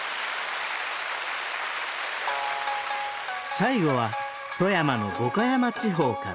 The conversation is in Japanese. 最後は富山の五箇山地方から。